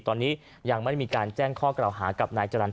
ตอนนี้ยังไม่ได้มีการแจ้งข้อกล่าวหากับนายจรรย